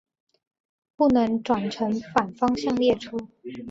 不能转乘反方向列车。